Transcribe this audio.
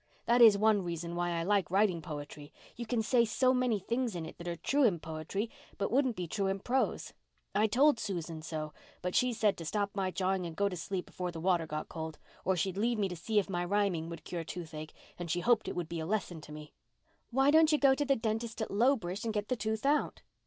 That is one reason why I like writing poetry—you can say so many things in it that are true in poetry but wouldn't be true in prose. I told Susan so, but she said to stop my jawing and go to sleep before the water got cold, or she'd leave me to see if rhyming would cure toothache, and she hoped it would be a lesson to me." "Why don't you go to the dentist at Lowbridge and get the tooth out?"